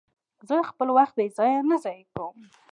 زه خپل وخت بې ځایه نه ضایع کوم.